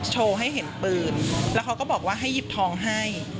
โชว์ให้เห็นปืนแล้วเขาก็บอกว่าให้หยิบทองให้